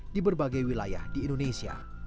di berbagai wilayah di indonesia